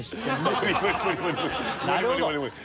無理無理無理無理